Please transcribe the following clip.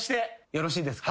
よろしいですか？